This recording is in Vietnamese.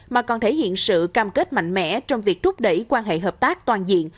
mà còn thể hiện sự cam kết mạnh mẽ trong việc rút đẩy quan hệ hợp tác toàn diện